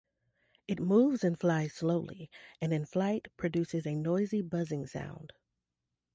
It moves and flies slowly, and in flight produces a noisy buzzing sound.